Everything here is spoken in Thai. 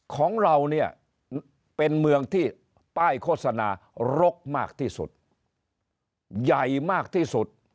ของเราเนี่ยเป็นเมืองที่ป้ายโฆษณารกมากที่สุดใหญ่มากที่สุด